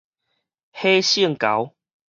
火性猴